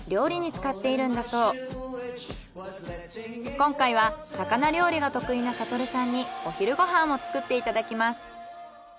今回は魚料理が得意な悟さんにお昼ご飯を作っていただきます。